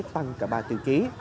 tăng cả ba tiêu chí